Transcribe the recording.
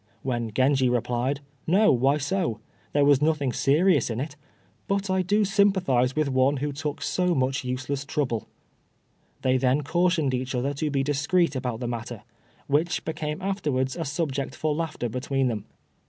when Genji replied, "No, why so? there was nothing serious in it; but I do sympathize with one who took so much useless trouble." They then cautioned each other to be discreet about the matter, which became afterwards a subject for laughter between them.